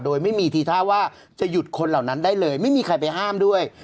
โดยไม่มีทีท่าว่าจะหยุดคนเหล่านั้นได้เลยไม่มีใครไปห้ามด้วย